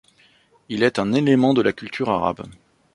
Il est un élément de la culture arabe.